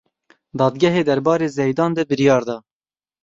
Dadgehê derbarê Zeydan de biryar da.